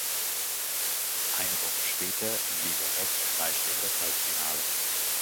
Eine Woche später in Liberec erreichte er das Halbfinale.